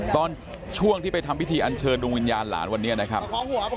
ตอนช่วงที่ทำพิธีอัณเชิญดรุงวิญญาณหลานเย็น